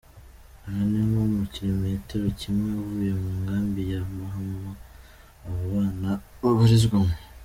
Aha ni nko mu kilometero kimwe uvuye ku nkambi ya Mahama aba bana babarizwamo.